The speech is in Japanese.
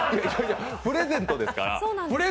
プレゼントですから。